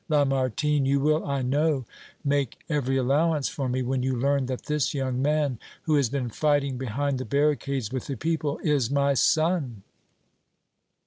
Lamartine, you will, I know, make every allowance for me when you learn that this young man, who has been fighting behind the barricades with the people, is my son!"